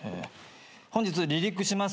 本日離陸します